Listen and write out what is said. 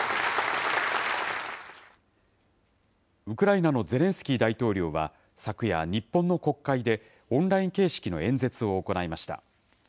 ウクライナのゼレンスキー大統領は、昨夜、日本の国会でオンライン形式の演説を行いました。